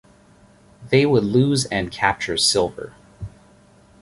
They would lose and capture silver.